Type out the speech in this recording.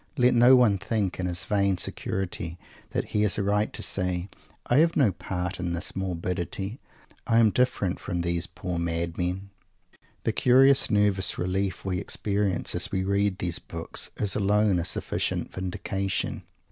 Let no one think, in his vain security, that he has a right to say: "I have no part in this morbidity. I am different from these poor madmen." The curious nervous relief we experience as we read these books is alone a sufficient vindication.